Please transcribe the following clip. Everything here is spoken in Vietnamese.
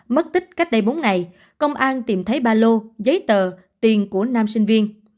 mất tích cách đây bốn ngày công an tìm thấy ba lô giấy tờ tiền của nam sinh viên